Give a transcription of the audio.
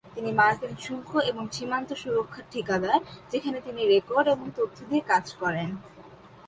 তিনি মার্কিন শুল্ক এবং সীমান্ত সুরক্ষার ঠিকাদার, যেখানে তিনি রেকর্ড এবং তথ্য দিয়ে কাজ করেন।